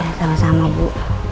ya sama sama bu